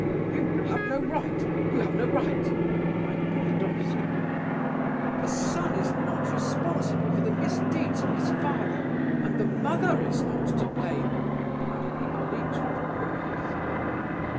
"You have no right—you have no right!" cried Burdovsky. "The son is not responsible for the misdeeds of his father; and the mother is not to blame," added Hippolyte, with warmth.